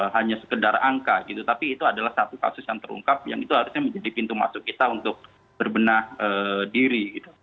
hanya sekedar angka gitu tapi itu adalah satu kasus yang terungkap yang itu harusnya menjadi pintu masuk kita untuk berbenah diri gitu